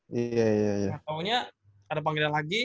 gak taunya ada panggilan lagi